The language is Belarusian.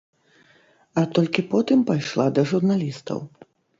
А толькі потым пайшла да журналістаў.